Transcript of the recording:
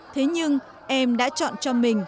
thế nhưng em đã chọn cho mình